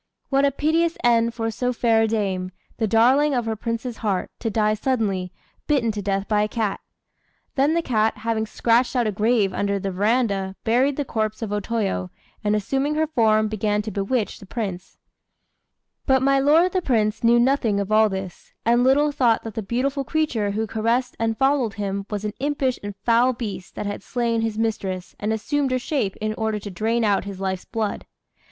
What a piteous end for so fair a dame, the darling of her prince's heart, to die suddenly, bitten to death by a cat! Then the cat, having scratched out a grave under the verandah, buried the corpse of O Toyo, and assuming her form, began to bewitch the Prince. [Footnote 75: The family of the Prince of Hizen, one of the eighteen chief Daimios of Japan.] But my lord the Prince knew nothing of all this, and little thought that the beautiful creature who caressed and fondled him was an impish and foul beast that had slain his mistress and assumed her shape in order to drain out his life's blood.